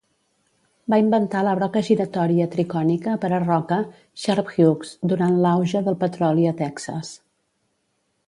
Va inventar la broca giratòria tricònica per a roca "Sharp-Hughes" durant l'auge del petroli a Texas.